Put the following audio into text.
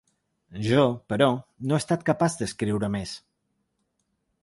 Jo, però, no he estat capaç d’escriure més.